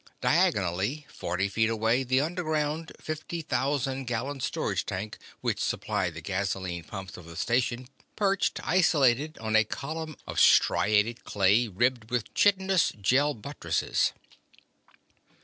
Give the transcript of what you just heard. Diagonally, forty feet away, the underground fifty thousand gallon storage tank which supplied the gasoline pumps of the station perched, isolated, on a column of striated clay, ribbed with chitinous Gel buttresses.